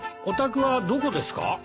お宅はどこですか？